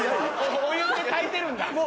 お湯で炊いてるんだ。